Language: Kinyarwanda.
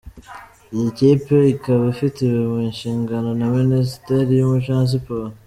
Iyi kipe ikaba ifitwe mu nshingano na Minisiteri y’umuco na siporo.